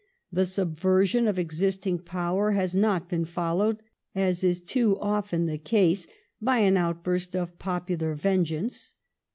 The subversion of existing power has not been fol lowed, as is too often the case, by an outborst of popular vengeance.